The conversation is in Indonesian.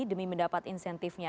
demi mendapatkan insentifnya